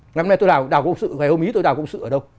năm nay tôi đào công sự ngày hôm ý tôi đào công sự ở đâu